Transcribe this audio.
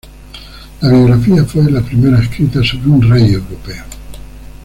La biografía fue la primera escrita sobre un rey europeo.